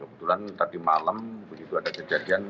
kebetulan tadi malam begitu ada kejadian